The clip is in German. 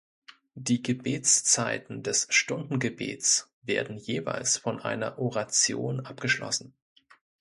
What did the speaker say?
Die Gebetszeiten des Stundengebets werden jeweils von einer Oration abgeschlossen.